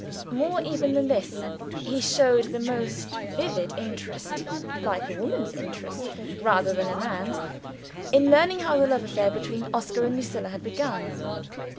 More even than this, he showed the most vivid interest like a woman's interest rather than a man's in learning how the love affair between Oscar and Lucilla had begun.